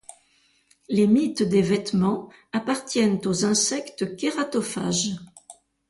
Les mites des vêtements appartiennent aux insectes kératophages.